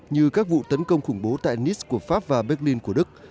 như các vụ tấn công khủng bố tại nis của pháp và berlin của đức